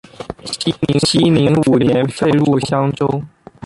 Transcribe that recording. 熙宁五年废入襄州。